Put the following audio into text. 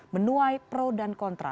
menuai pro dan kontra